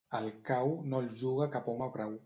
El cau no el juga cap home brau.